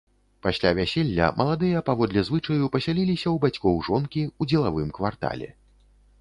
Пасля вяселля маладыя, паводле звычаю, пасяліліся ў бацькоў жонкі, у дзелавым квартале.